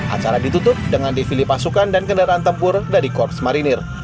acara ditutup dengan dipilih pasukan dan kendaraan tempur dari korps marinir